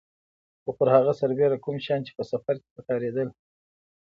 خو پر هغه سربېره کوم شیان چې په سفر کې په کارېدل.